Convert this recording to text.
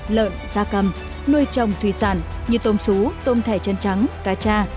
lợn da cầm nuôi trồng thủy sản như tôm xú tôm thẻ chân trắng cá cha